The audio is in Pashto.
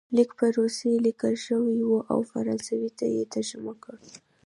لیک په روسي لیکل شوی وو او په فرانسوي یې ترجمه کړ.